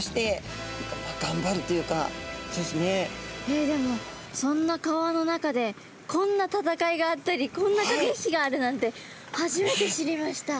えっでもそんな川の中でこんな戦いがあったりこんなかけ引きがあるなんて初めて知りました。